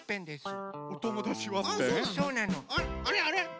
あれ？